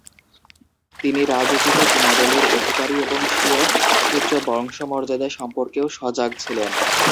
তিনি রাজোচিত গুণাবলির অধিকারী এবং স্বীয় উচ্চ বংশমর্যাদা সম্পর্কেও সজাগ ছিলেন।